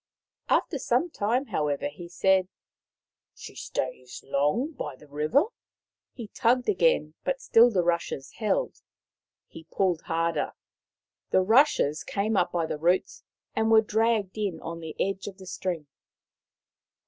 ' After some time, however, he said :" She stays long by the river." He tugged again, but still the rushes held. He pulled harder. The rushes came up by the roots and were dragged in on the edge of the string.